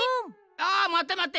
あまってまって。